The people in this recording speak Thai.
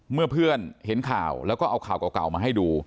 เมื่อเพื่อนเห็นข่าวแล้วก็เอาข่าวเก่ามาให้ดู